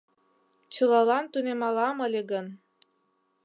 Чылалан тунемалам ыле гын